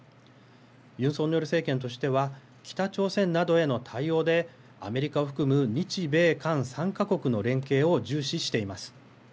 ユン・ソンニョル政権としては北朝鮮などへの対応でアメリカを含む日米韓３か国の連携を重視しています。